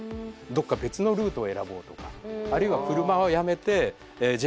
どっか別のルートを選ぼうとかあるいは車はやめてＪＲで行こうとかですね